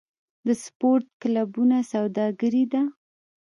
د سپورت کلبونه سوداګري ده؟